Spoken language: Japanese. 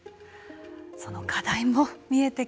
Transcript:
その課題も見えてきました。